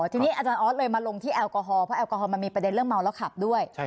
ทีนี้อาจารย์ออสเลยมาลงที่แอลกอฮอลเพราะแอลกอฮอลมันมีประเด็นเรื่องเมาแล้วขับด้วย